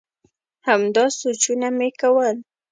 همدا سوچونه مي کول ؟